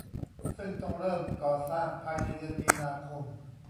ซึ่งต้องเริ่มก่อสร้างภายในเดือนมีนาคม